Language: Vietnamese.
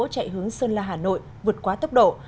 chạy hướng sơn la hà nội vượt quá tốc độ